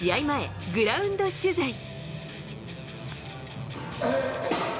前、グラウンド取材。